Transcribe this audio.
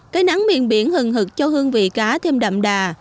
cái nắng miền biển hừng hực cho hương vị cá thêm đậm đà